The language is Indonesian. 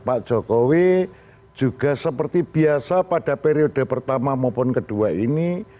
pak jokowi juga seperti biasa pada periode pertama maupun kedua ini